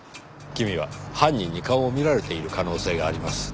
君は犯人に顔を見られている可能性があります。